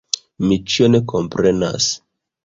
Mi ĉion komprenas.